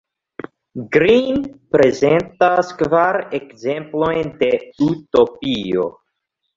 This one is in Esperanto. Green prezentas kvar ekzemplojn de utopio.